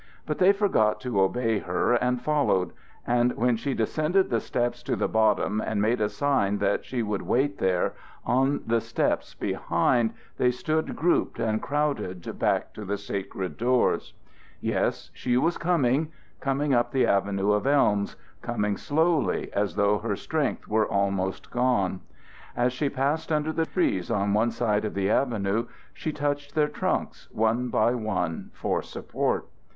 But they forgot to obey her and followed; and when she descended the steps to the bottom and made a sign that she would wait there, on the steps behind they stood grouped and crowded back to the sacred doors. Yes, she was coming coming up the avenue of elms coming slowly, as though her strength were almost gone. As she passed under the trees on one side of the avenue she touched their trunks one by one for support.